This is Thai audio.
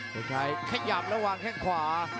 เพฮ่ะขยามระหว่างแขกขวา